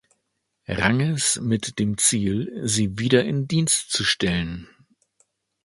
Ranges mit dem Ziel, sie wieder in Dienst zu stellen.